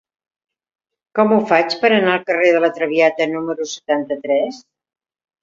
Com ho faig per anar al carrer de La Traviata número setanta-tres?